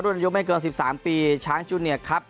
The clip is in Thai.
อายุไม่เกิน๑๓ปีช้างจูเนียร์ครับ